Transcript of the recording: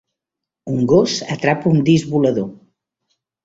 Un gos atrapa un disc volador.